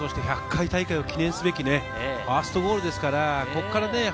１００回大会を記念すべきファーストゴールですからね。